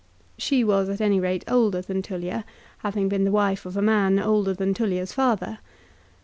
She was at any rate older than Tullia, having been the wife of a man older than Tullia's father.